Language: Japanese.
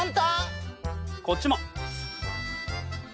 こっちも。